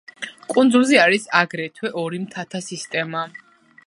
კუნძულზე არის აგრეთვე ორი მთათა სისტემა.